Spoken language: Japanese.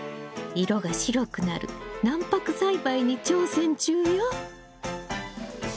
色が白くなる軟白栽培に挑戦中よ。